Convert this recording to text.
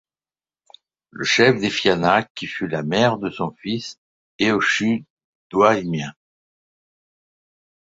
Le chef des Fianna qui fut la mère de son fils Eochu Doimlén.